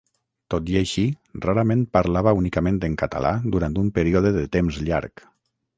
Tot i així, rarament parlava únicament en català durant un període de temps llarg.